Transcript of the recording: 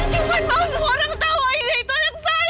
saya cuma mau semua orang tahu idea itu yang saya